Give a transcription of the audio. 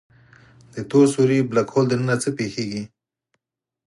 د تور سوری Black Hole دننه څه پېښېږي؟